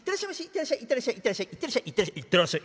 「行ってらっしゃい」。